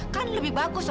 kan lebih bagus bu